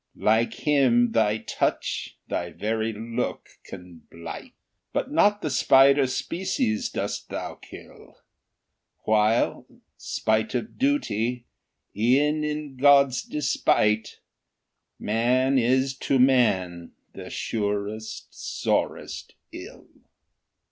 Like him thy touch, thy very look, can blight; But not the Spider species dost thou kill; While, spite of duty, e'en in God's despite, "Man is to man the surest, sorest ill."